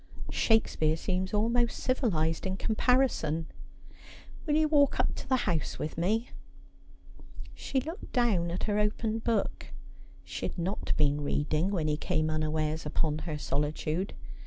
Shakespeare seems almost civilised in comparison. Will you walk up to the house with me ?' She looked down at her open book. She had not been read ing when he came unawares upon her solitude.